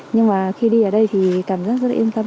nhưng mà khi đi ở đây thì cảm giác rất là yên tâm